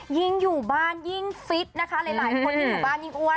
ยิ่งอยู่บ้านยิ่งฟิตนะคะหลายคนหรือบ้านยิ่งอ้วน